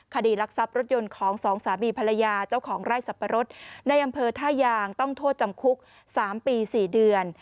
คดีรักทรัพย์รถยนต์ของสองสามีภรรยาเจ้าของไร่สับปะรดในอำเภอท่ายางต้องโทษจำคุก๓ปี๔เดือน